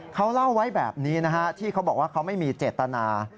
เขาเล่าไว้แบบนี้นะฮะที่เขาบอกว่าเขาไม่มีเจตนา